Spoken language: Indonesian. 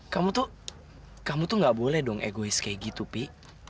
kamu tuh kamu tuh gak boleh dong egois kayak gitu pi